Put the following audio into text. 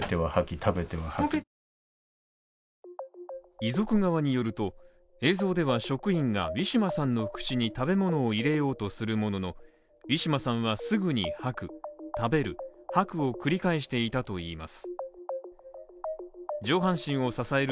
遺族側によると、映像では職員がウィシュマさんの口に食べ物を入れようとするもののウィシュマさんはすぐに吐く、食べる、吐く食べるを繰り返していたといいます。